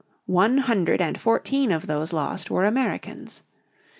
One hundred and fourteen of those lost were Americans.